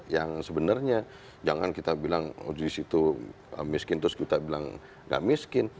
yang sebenarnya jangan kita bilang disitu miskin terus kita bilang gak miskin